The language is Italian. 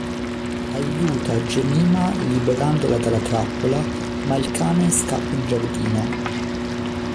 Aiuta Jemima liberandola dalla trappola ma il cane scappa in giardino.